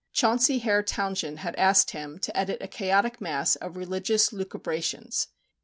Chauncy Hare Townshend had asked him to edit a chaotic mass of religious lucubrations.